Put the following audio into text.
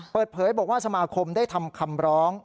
เปิดเผยบอกว่าสมาคมได้ทำคำร้อง